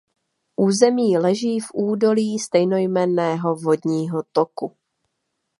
Území leží v údolí stejnojmenného vodního toku.